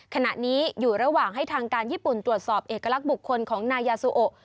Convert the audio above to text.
ขณะนี้อยู่ระหว่างให้ทางการญี่ปุ่นตรวจสอบเอกลักษณ์บุคคลของนายาซูโอ